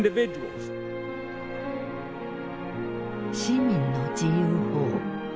「市民の自由法」